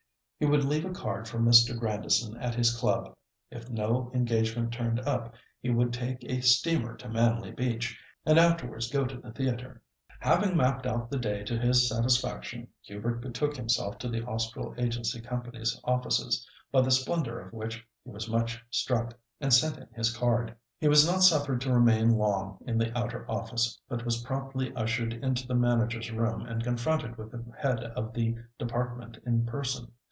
He would leave a card for Mr. Grandison at his club. If no engagement turned up he would take a steamer to Manly Beach, and afterwards go to the theatre. Having mapped out the day to his satisfaction, Hubert betook himself to the Austral Agency Company's offices, by the splendour of which he was much struck, and sent in his card. He was not suffered to remain long in the outer office, but was promptly ushered into the manager's room and confronted with the head of the department in person.